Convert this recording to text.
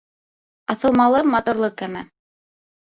Аҫылмалы моторлы кәмә